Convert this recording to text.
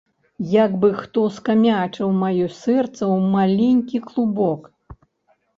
Як бы хто скамячыў маё сэрца ў маленькі клубок.